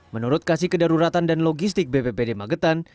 menurut kasih kedaruratan dan logistik bppd magetan